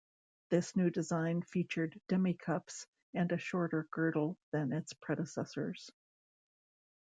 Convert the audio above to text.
This new design featured demi-cups and a shorter girdle than its predecessors.